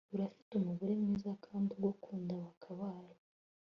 unafite umugore mwiza kandi ugukunda wakabaye